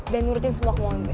dan nurutin semua kemauan gue